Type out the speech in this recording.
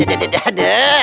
aduh aduh aduh aduh aduh